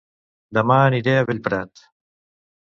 Dema aniré a Bellprat